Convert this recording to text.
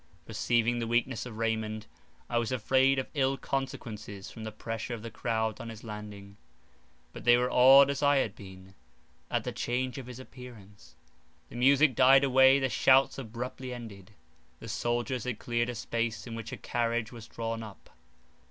Perceiving the weakness of Raymond, I was afraid of ill consequences from the pressure of the crowd on his landing. But they were awed as I had been, at the change of his appearance. The music died away, the shouts abruptly ended; the soldiers had cleared a space in which a carriage was drawn up.